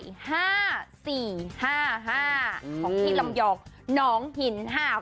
ของพี่ลำยองน้องหินห่าว